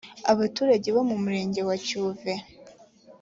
abaturage bo mu murenge wa cyuve